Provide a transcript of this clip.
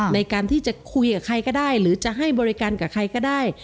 ในการที่จะคุยกับใครก็ได้หรือจะให้บริการกับใครก็ได้